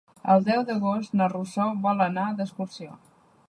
El deu d'agost na Rosó vol anar d'excursió.